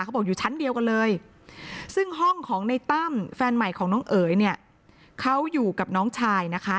บอกอยู่ชั้นเดียวกันเลยซึ่งห้องของในตั้มแฟนใหม่ของน้องเอ๋ยเนี่ยเขาอยู่กับน้องชายนะคะ